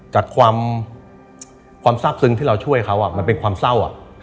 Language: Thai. จากความทราบซึ้งที่เราช่วยเขามันเป็นความเศร้า